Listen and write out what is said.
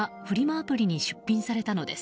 アプリに出品されたのです。